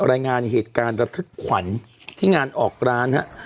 รายงานเหตุการณ์ระทึกขวัญที่งานออกร้านฮะ